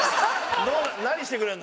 何してくれるの？